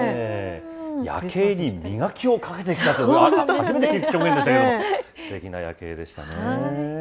夜景に磨きをかけてきたというのは、初めて聞きましたけれども、すてきな夜景でしたね。